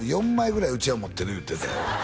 ４枚ぐらいうちわ持ってる言ってたよ